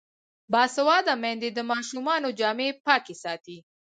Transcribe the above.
باسواده میندې د ماشومانو جامې پاکې ساتي.